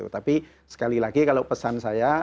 tapi sekali lagi kalau pesan saya